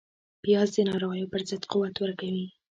پیاز د ناروغیو پر ضد قوت ورکوي